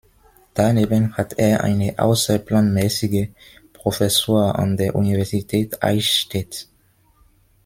Daneben hat er eine außerplanmäßige Professur an der Universität Eichstätt.